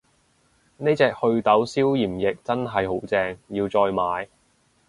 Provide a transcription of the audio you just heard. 呢隻袪痘消炎液真係好正，要再買